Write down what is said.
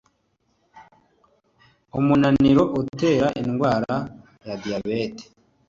Umunaniro utera indwara ya diyabete